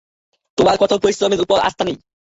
তোমার কঠোর পরিশ্রমের উপর আস্থা নেই?